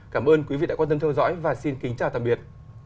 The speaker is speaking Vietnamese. cảm ơn quý vị đã quan tâm theo dõi và xin kính chào tạm biệt